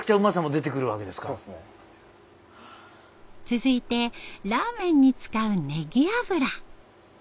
続いてラーメンに使うねぎ油。